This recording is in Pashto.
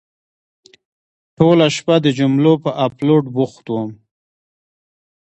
ټوله شپه د جملو په اپلوډ بوخت وم.